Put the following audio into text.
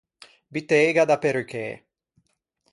Butega da perrucchê.